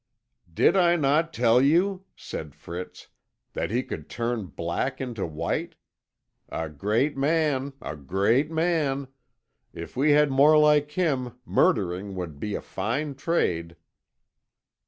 "Did I not tell you," said Fritz, "that he could turn black into white? A great man a great man! If we had more like him, murdering would be a fine trade."